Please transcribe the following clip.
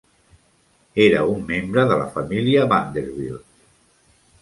Era un membre de la família Vanderbilt.